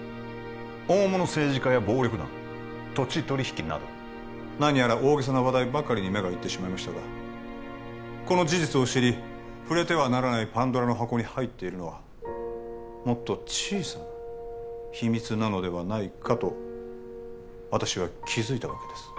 大物政治家や暴力団土地取引など何やら大げさな話題ばかりに目がいってしまいましたがこの事実を知り触れてはならないパンドラの箱に入っているのはもっと小さな秘密なのではないかと私は気づいたわけです